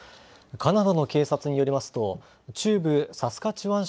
カナダの警察によりますと中部サスカチワン